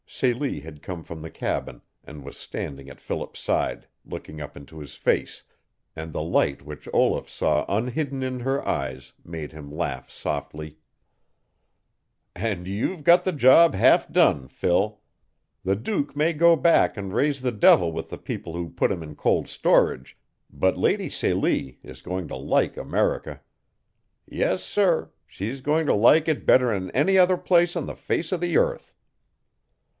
Celie had come from the cabin and was standing at Philip's side, looking up into his face, and the light which Olaf saw unhidden in her eyes made him laugh softly: "And you've got the job half done, Phil. The Duke may go back and raise the devil with the people who put him in cold storage, but Lady Celie is going to like America. Yessir, she's going to like it better'n any other place on the face of the earth!"